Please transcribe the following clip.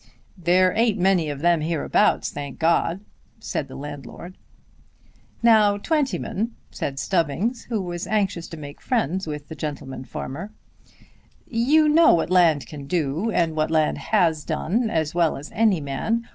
"There ain't many of them hereabouts, thank God!" said the landlord. "Now, Mr. Twentyman," said Stubbings, who was anxious to make friends with the gentleman farmer, "you know what land can do, and what land has done, as well as any man.